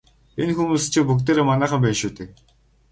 Энэ хүмүүс чинь бүгдээрээ манайхан байна шүү дээ.